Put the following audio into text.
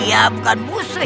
dia bukan musuh